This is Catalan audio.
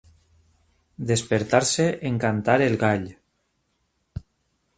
Despertar-se en cantar el gall.